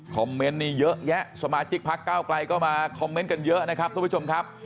เมนต์นี้เยอะแยะสมาชิกพักเก้าไกลก็มาคอมเมนต์กันเยอะนะครับทุกผู้ชมครับ